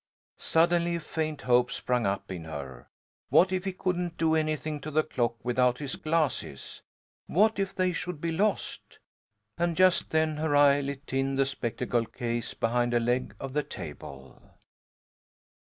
Suddenly a faint hope sprang up in her. What if he couldn't do anything to the clock without his glasses? What if they should be lost? And just then her eye lit on the spectacle case, behind a leg of the table.